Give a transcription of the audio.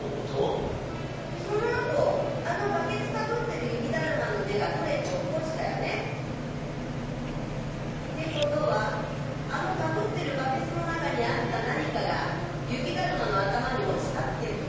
そのあとあのバケツかぶってる雪だるまの目が取れて落っこちたよね？ってことはあのかぶってるバケツのに中にあった何かが雪だるまの頭に落ちたってこと。